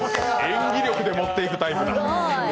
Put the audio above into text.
演技力でもっていくタイプだ。